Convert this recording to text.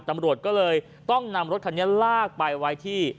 ตำรวจก็เลยต้องนำรถคันนี้ลากไปไว้ที่